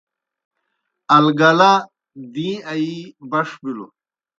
اَلگَلہ دِیں آیی بݜ بِلوْ۔